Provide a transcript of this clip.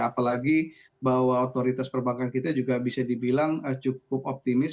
apalagi bahwa otoritas perbankan kita juga bisa dibilang cukup optimis